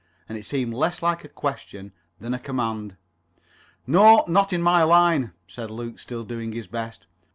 And it seemed less like a question than a command. "No, not in my line," said Luke, still doing his best.